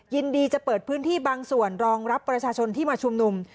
ยินดีจะเปิดพื้นที่บางส่วนรองรับประชาชนที่มาชุมนุม